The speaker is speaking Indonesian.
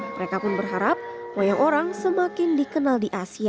mereka pun berharap wayang orang semakin dikenal di asia